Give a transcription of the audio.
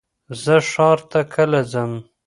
زه ښار ته کله ځم؟